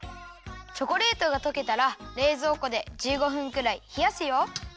チョコレートがとけたられいぞうこで１５分くらいひやすよ。